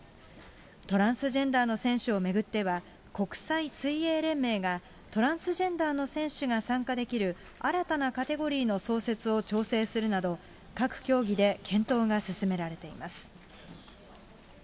トランスジェンダーの選手を巡っては、国際水泳連盟が、トランスジェンダーの選手が参加できる新たなカテゴリーの創設を調整するなど、各競技で検討が進められています。